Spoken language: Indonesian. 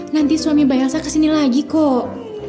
nanti suami mbak elsa kesini lagi kok